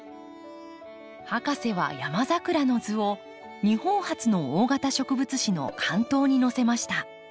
博士はヤマザクラの図を日本初の大型植物誌の巻頭に載せました。